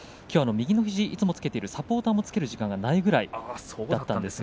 右の肘、いつもつけているサポーターもつける時間がないくらいでした。